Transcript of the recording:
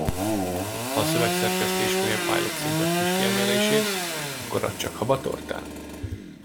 Ha a szövegszerkesztő ismeri a fájlok szintaxis-kiemelését, akkor az csak hab a tortán.